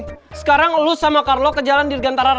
isi nggak jalan isi di sana kan